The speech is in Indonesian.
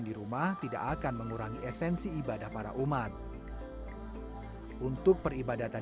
diimbau agar mengurangi aktivitas peribadatan yang bersifat massal